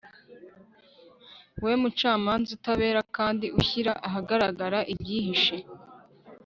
we mucamanza utabera kandi ushyira ahagaragara ibyihishe